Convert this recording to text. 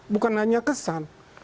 bukan hanya kesan